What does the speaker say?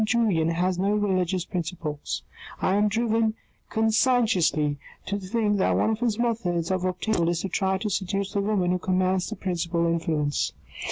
Julien has no religious principles. I am driven conscientiously to think that one of his methods of obtaining success in any household is to try to seduce the woman who commands the principal influence.